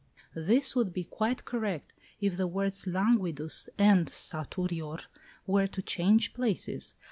This would be quite correct if the words "languidus" and "saturior" were to change places.